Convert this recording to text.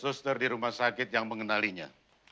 tidak ada yang mencari dia di rumah sakit yang mengenalinya